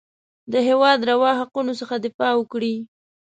د هېواد روا حقونو څخه دفاع وکړي.